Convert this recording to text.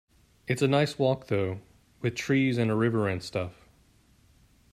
It's a nice walk though, with trees and a river and stuff.